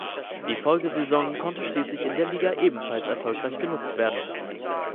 Die Folgesaison konnte schließlich in der Liga ebenfalls erfolgreich genutzt werden.